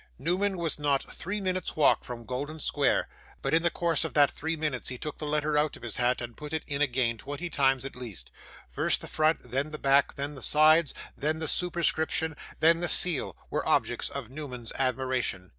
Newman was not three minutes' walk from Golden Square, but in the course of that three minutes he took the letter out of his hat and put it in again twenty times at least. First the front, then the back, then the sides, then the superscription, then the seal, were objects of Newman's admiration.